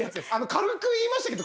軽く言いましたけど